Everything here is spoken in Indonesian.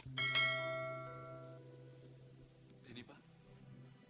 ya mbak terima kasih